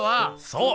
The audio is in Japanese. そう！